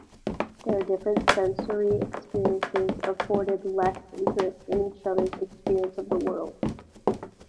Their different sensory experiences afforded less interest in each other's experience of the world.